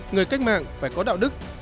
người cách mạng phải có đạo đức